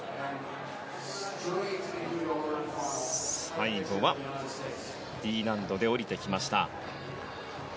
最後はＤ難度で下りてきました。